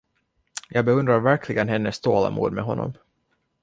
Jag beundrar verkligen hennes tålamod med honom.